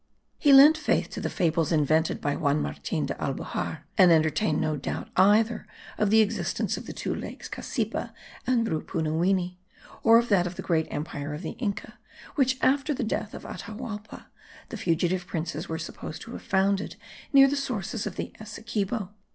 He lent faith to the fables invented by Juan Martin de Albujar, and entertained no doubt either of the existence of the two lakes Cassipa and Rupunuwini, or of that of the great empire of the Inca, which, after the death of Atahualpa, the fugitive princes were supposed to have founded near the sources of the Essequibo.